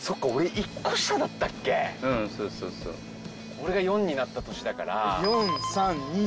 俺が４になった年だから。